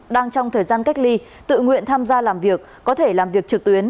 đang trong thời gian cách ly tự nguyện tham gia làm việc có thể làm việc trực tuyến